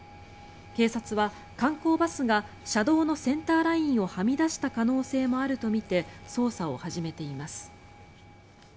警察は、観光バスが車道のセンターラインをはみ出した可能性もあるとみて捜査を始めています。